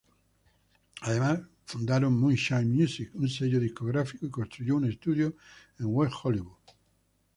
Además fundaron Moonshine Music, un sello discográfico, y construyó un estudio en West Hollywood.